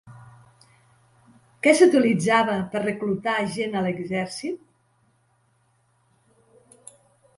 Què s'utilitzava per reclutar gent a l'exèrcit?